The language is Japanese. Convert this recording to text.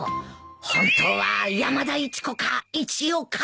本当は山田一子か一代か。